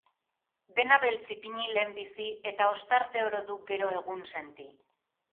Dena beltz ipini lehenbizi, eta ostarte oro duk gero egunsenti.